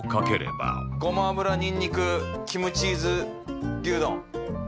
ごま油にんにくキムチーズ牛丼。